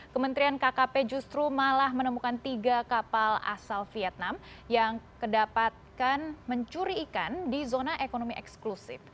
kementerian kkp justru malah menemukan tiga kapal asal vietnam yang kedapatan mencuri ikan di zona ekonomi eksklusif